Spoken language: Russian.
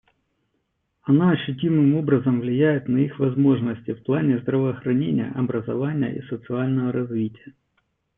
Она ощутимым образом влияет на их возможности в плане здравоохранения, образования и социального развития.